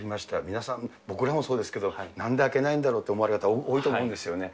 皆さん、僕らもそうですけど、なんで開けないんだろうと思われた方、多いと思うんですよね。